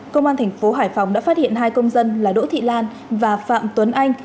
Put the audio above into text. công an tp hải phòng đã phát hiện hai công dân là đỗ thị lan và phạm tuấn anh